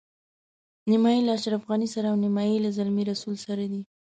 نیمایي یې له اشرف غني سره او نیمایي له زلمي رسول سره دي.